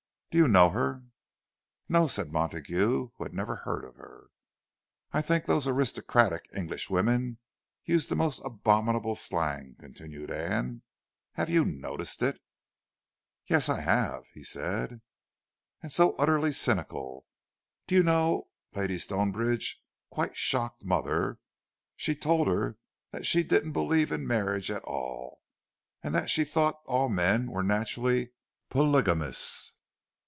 "Do you know her?" "No," said Montague, who had never heard of her. "I think those aristocratic English women use the most abominable slang," continued Anne. "Have you noticed it?" "Yes, I have," he said. "And so utterly cynical! Do you know, Lady Stonebridge quite shocked mother—she told her she didn't believe in marriage at all, and that she thought all men were naturally polygamous!"